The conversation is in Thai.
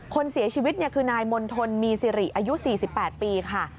คนเสียชีวิตคือนายมณฑลมีสิริอายุ๔๘ปีค่ะ